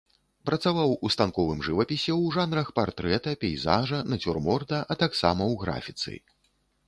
Працаваў у станковым жывапісе ў жанрах партрэта, пейзажа, нацюрморта, а таксама ў графіцы.